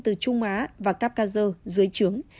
từ trung á và capcazo dưới trướng